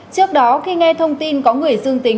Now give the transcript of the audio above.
trước đó khi nghe thông tin có người dương tính